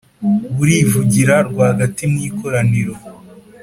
burivugira rwagati mu ikoraniro.